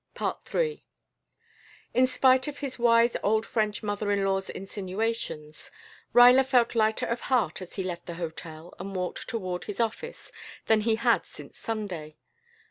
III In spite of his wise old French mother in law's insinuations, Ruyler felt lighter of heart as he left the hotel and walked toward his office than he had since Sunday.